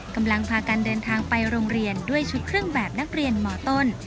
กำลังพากันเดินทางไปโรงเรียนด้วยชุดเครื่องแบบนักเรียนมต้น